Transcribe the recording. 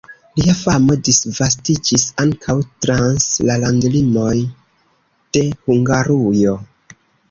Lia famo disvastiĝis ankaŭ trans la landlimoj de Hungarujo.